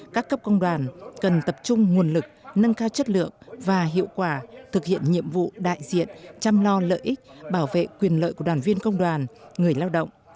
các cấp công đoàn cần tập trung nguồn lực nâng cao chất lượng và hiệu quả thực hiện nhiệm vụ đại diện chăm lo lợi ích bảo vệ quyền lợi của đoàn viên công đoàn người lao động